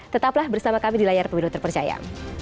tetaplah bersama kami di layar pemilu terpercaya